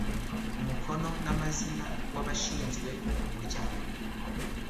umukono n amazina wa abashinzwe umuryango